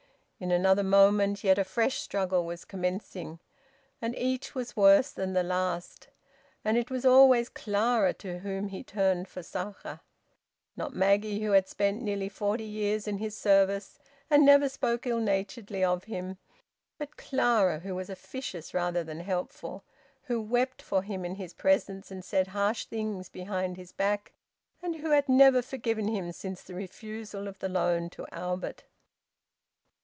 In another moment yet a fresh struggle was commencing. And each was worse than the last. And it was always Clara to whom he turned for succour. Not Maggie, who had spent nearly forty years in his service, and never spoke ill naturedly of him; but Clara, who was officious rather than helpful, who wept for him in his presence, and said harsh things behind his back, and who had never forgiven him since the refusal of the loan to Albert.